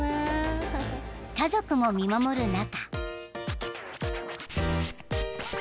［家族も見守る中］